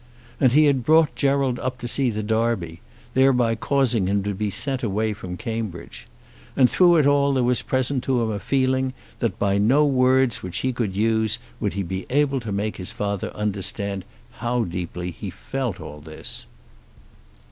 And he had brought Gerald up to see the Derby, thereby causing him to be sent away from Cambridge! And through it all there was present to him a feeling that by no words which he could use would he be able to make his father understand how deeply he felt all this.